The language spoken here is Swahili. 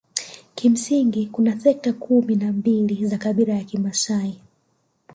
Kimsingi kuna sekta kumi na mbili za kabila la Wamasai